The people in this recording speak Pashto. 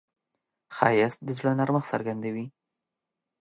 ښایست د زړه نرمښت څرګندوي